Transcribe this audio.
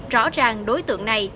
rõ ràng đối tượng này